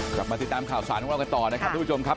กลับมาติดตามข่าวสารของเรากันต่อนะครับทุกผู้ชมครับ